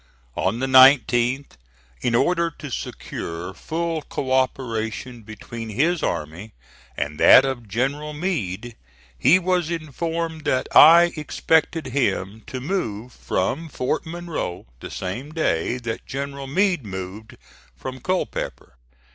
On the 19th, in order to secure full co operation between his army and that of General Meade, he was informed that I expected him to move from Fort Monroe the same day that General Meade moved from Culpeper.